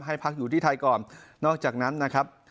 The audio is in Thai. พักอยู่ที่ไทยก่อนนอกจากนั้นนะครับ